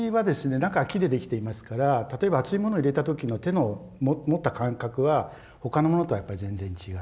中は木でできていますから例えば熱いものを入れた時の手の持った感覚は他のものとはやっぱり全然違う。